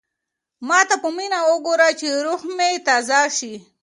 ما ته په مینه وګوره چې روح مې تازه شي.